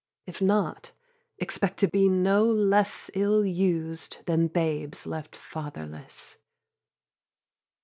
If not, expect to be no less Ill used, than babes left fatherless.